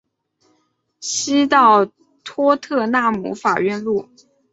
西到托特纳姆法院路。